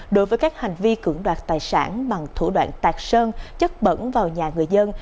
đối với các hành vi cưỡng đoạt tài sản bằng thủ đoạn tạc sơn chất bẩn vào nhà người dân